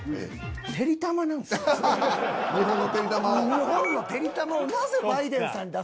日本のてりたまをなぜバイデンさんに出さなかったという。